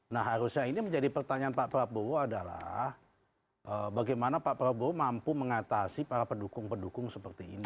nah harusnya ini menjadi pertanyaan pak prabowo adalah bagaimana pak prabowo mampu mengatasi para pendukung pendukung seperti ini